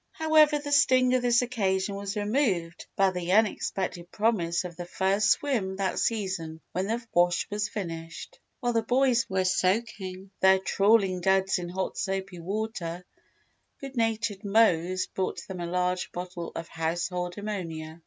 However, the sting of this occasion was removed by the unexpected promise of the first swim that season when the wash was finished. While the boys were soaking their trawling duds in hot soapy water, good natured Mose brought them a large bottle of household ammonia.